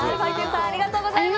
ありがとうございます。